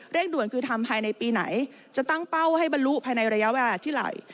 ด่วนคือทำภายในปีไหนจะตั้งเป้าให้บรรลุภายในระยะเวลาที่ไหล่